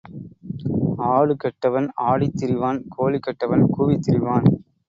ஆடு கெட்டவன் ஆடித் திரிவான் கோழி கெட்டவன் கூவித் திரிவான்.